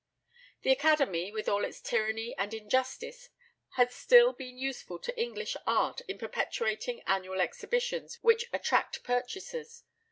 The Academy, with all its tyranny and injustice, has still been useful to English art in perpetuating annual exhibitions which attract purchasers.